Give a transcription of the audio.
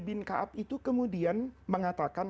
bin kaab itu kemudian mengatakan